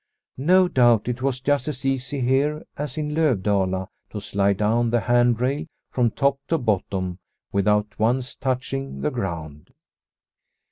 No doubt it was just as easy here as in Lovdala to slide down the handrail from top to bottom without once touching the ground.